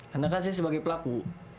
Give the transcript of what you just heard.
kalau yang berprestasi sebagai pelaku